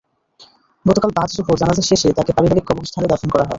গতকাল বাদ জোহর জানাজা শেষে তাঁকে পারিবারিক কবরস্থানে দাফন করা হয়।